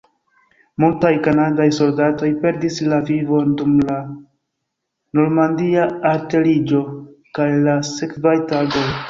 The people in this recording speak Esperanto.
Multaj kanadaj soldatoj perdis la vivon dum la Normandia alteriĝo kaj la sekvaj tagoj.